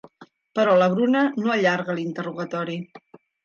Però la Bruna no allarga l'interrogatori.